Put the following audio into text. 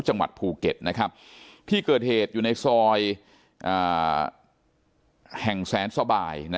จังหวัดภูเก็ตที่เกิดเหตุอยู่ในซอยแห่งแสนสบาย